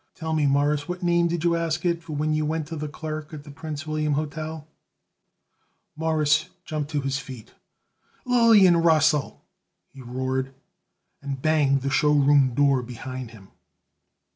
Tell me, Mawruss, what name did you ask it for when you went to the clerk at the Prince William Hotel?" Morris jumped to his feet. "Lillian Russell!" he roared, and banged the show room door behind him.